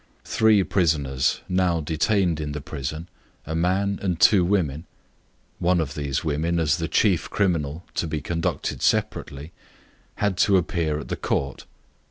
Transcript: three prisoners at present detained in the prison, a man and two women (one of these women, as the chief criminal, to be conducted separately), had to appear at Court.